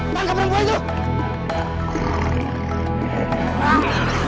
gue ga mau mati sekarang aja